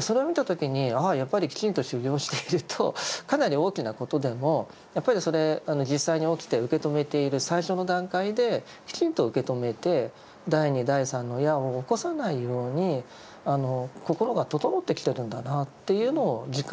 それを見た時にああやっぱりきちんと修行しているとかなり大きなことでもやっぱり実際に起きて受け止めている最初の段階できちんと受け止めて第二第三の矢を起こさないように心が整ってきてるんだなっていうのを実感したことがあります。